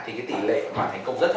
thì cái tỉ lệ mà thành công rất cao